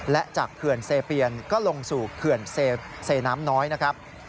และจากเขื่อนเซเปียนก็ลงสู่เขื่อนเซน้ำน้อยนะครับ